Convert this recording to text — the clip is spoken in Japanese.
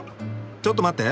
ちょっと待って！